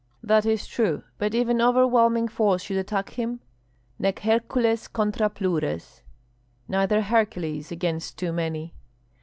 "That is true; but if an overwhelming force should attack him? Nec Hercules contra plures (Neither Hercules against [too] many)."